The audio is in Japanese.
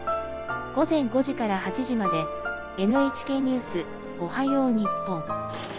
「午前５時から８時まで『ＮＨＫニュースおはよう日本』。